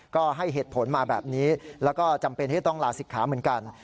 ก็ให้เหตุผลมาแบบนี้แล้วก็จำเป็นที่จะต้องลาศิกขาเหมือนกัน